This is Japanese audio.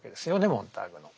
モンターグの。